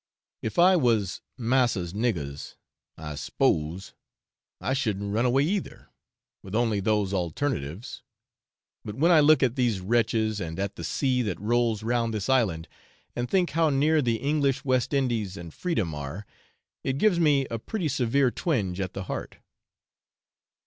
If I was 'massa's niggars,' I 'spose' I shouldn't run away either, with only those alternatives, but when I look at these wretches and at the sea that rolls round this island, and think how near the English West Indies and freedom are, it gives me a pretty severe twinge at the heart.